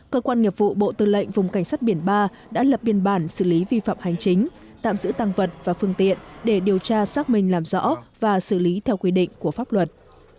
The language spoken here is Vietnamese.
cơ quan nghiệp vụ bộ tư lệnh vùng cảnh sát biển ba đã lập biên bản xử lý vi phạm hành chính tạm giữ tăng vật và phương tiện để điều tra xác minh làm rõ và xử lý theo quy định của pháp luật